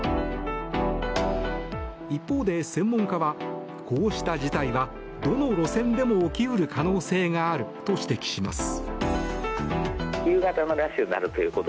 一方で専門家は、こうした事態はどの路線でも起き得る可能性があると指摘します。